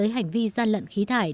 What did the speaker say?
khi gian lận khí thải